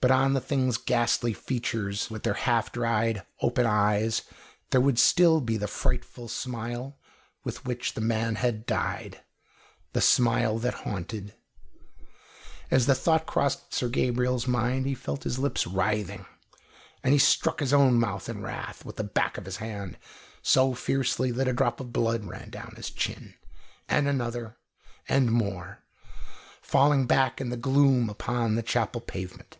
But on the thing's ghastly features, with their half dried, open eyes, there would still be the frightful smile with which the man had died the smile that haunted As the thought crossed Sir Gabriel's mind, he felt his lips writhing, and he struck his own mouth in wrath with the back of his hand so fiercely that a drop of blood ran down his chin, and another, and more, falling back in the gloom upon the chapel pavement.